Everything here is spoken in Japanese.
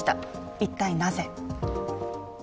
一体なぜ？